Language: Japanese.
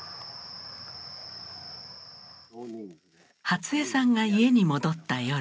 初江さんが家に戻った夜。